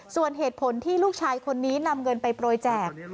ส่วนเหตุผลที่ลูกชายคนนี้นำเงินไปโปรยแจก